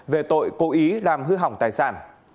về tội cố ý làm hư hỏng tài sản